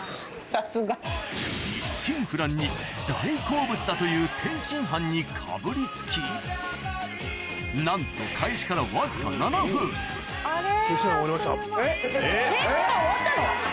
さすが。に大好物だという天津飯にかぶりつきなんとわずか天津飯終わったの？